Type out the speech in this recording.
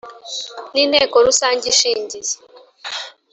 n Inteko Rusange ishingiye